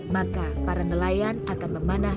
maka para nelayan akan memanah